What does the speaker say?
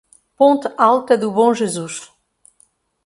Ponte Alta do Bom Jesus